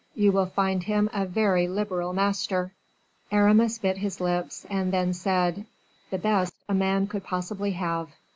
You will find him a very liberal master." Aramis bit his lips; and then said, "The best a man could possibly have."